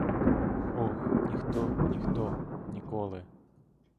Ох, ніхто, ніхто — ніколи!